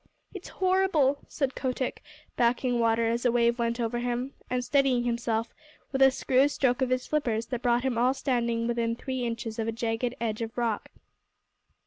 "It's horrible," said Kotick, backing water as a wave went over him, and steadying himself with a screw stroke of his flippers that brought him all standing within three inches of a jagged edge of rock.